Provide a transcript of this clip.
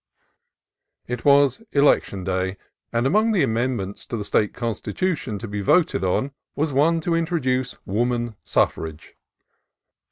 It was Election Day, and among the amendments to the State Constitution to be voted on was one to introduce Woman Suffrage.